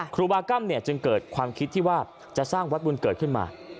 ครูบากรรมจึงเกิดความคิดที่ว่าจะสร้างวัดบุญเกิดขึ้นมา